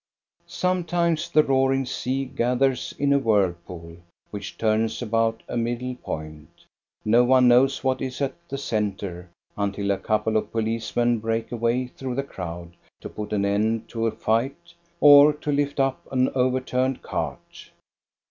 Sometimes the roaring sea gathers in a whirlpool, which turns about a middle point. No one knows what is at the centre, until a couple of policemen break a way through the crowd to put an end to a fight or to lift up an overturned cart.